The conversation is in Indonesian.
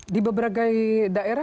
di beberapa daerah